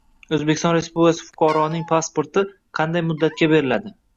O‘zbekiston Respublikasi fuqaroning pasporti qanday muddatga beriladi?